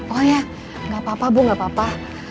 oh iya enggak apa apa bu enggak apa apa